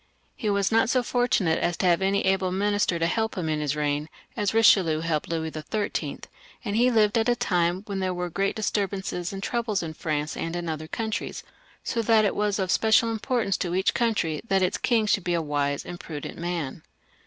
He was not so fortunate as to have any great minister to help him in his reign, as Eichelieu helped Louis XIIL, and he lived at a time when there were great disturbances and troubles in France and in other countries, so that it was of special importance to each country that its king should be a wise and prudent man.